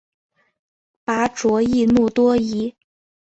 拔灼易怒多疑。